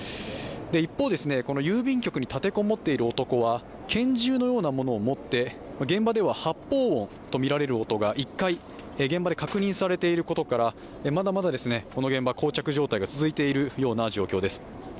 一方、この郵便局に立て籠もっている男は拳銃のようなものを持って現場では発砲音とみられる音が１回、現場で確認されていることから、まだまだこの現場、こう着状態が続いている状況です。